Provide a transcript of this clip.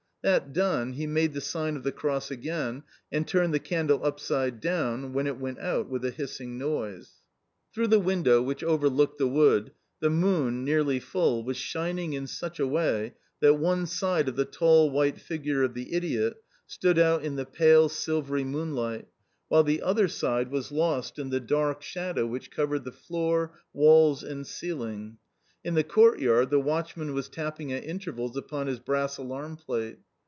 That done, he made the sign of the cross again, and turned the candle upside down, when it went out with a hissing noise. Through the window (which overlooked the wood) the moon (nearly full) was shining in such a way that one side of the tall white figure of the idiot stood out in the pale, silvery moonlight, while the other side was lost in the dark shadow which covered the floor, walls, and ceiling. In the courtyard the watchman was tapping at intervals upon his brass alarm plate.